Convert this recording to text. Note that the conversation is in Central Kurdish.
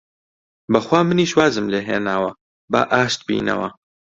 بەخوا منیش وازم لێ هێناوە، با ئاشت بینەوە!